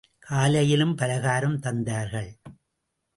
காலையிலும் பலகாரம் தந்தார்கள்.